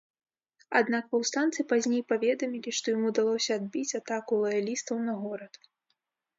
Аднак паўстанцы пазней паведамілі, што ім удалося адбіць атаку лаялістаў на горад.